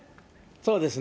そうですね。